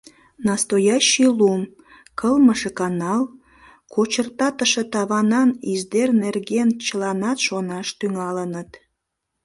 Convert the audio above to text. Настоящий лум, кылмыше канал, кочыртатыше таванан издер нерген чыланат шонаш тӱҥалыныт.